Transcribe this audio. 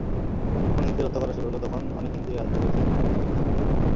যখন হিন্দুদের হত্যা করা শুরু হলো, তখন অনেক হিন্দুই ভেবেছেন, এটা মুসলিম সাম্প্রদায়িকতা।